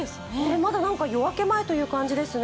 まだ夜明け前という感じですね。